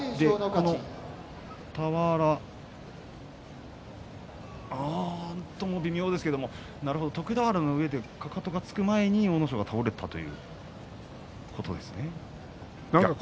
この俵になんとも微妙ですが徳俵の上でかかとがつく前に阿武咲が倒れたということですか。